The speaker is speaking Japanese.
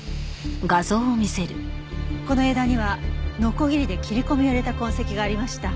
この枝にはノコギリで切り込みを入れた痕跡がありました。